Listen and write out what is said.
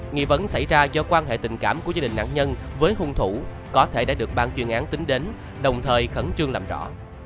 nghi vấn xảy ra do quan hệ tình cảm của gia đình nạn nhân với hung thủ có thể đã được ban chuyên án tính đến đồng thời khẩn trương làm rõ